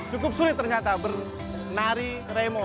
cukup sulit ternyata bernari remo